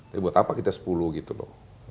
tapi buat apa kita sepuluh gitu loh